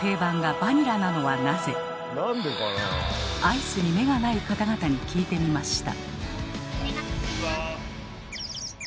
アイスに目がない方々に聞いてみました。